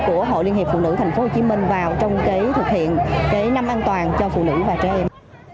của hội liên hiệp phụ nữ tp hcm vào trong thực hiện cái năm an toàn cho phụ nữ và trẻ em